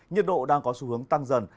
nhiệt độ đang có xu hướng tăng dần